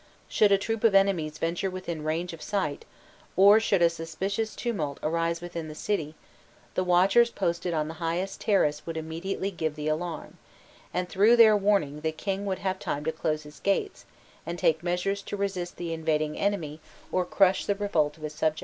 Should a troop of enemies venture within the range of sight, or should a suspicious tumult arise within the city, the watchers posted on the highest terrace would immediately give the alarm, and 'through their warning the king would have time to close his gates, and take measures to resist the invading enemy or crush the revolt of his subjects.